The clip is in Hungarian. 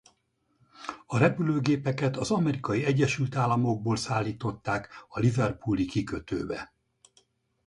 A repülőgépeket az Amerikai Egyesült Államokból szállították a liverpooli kikötőbe.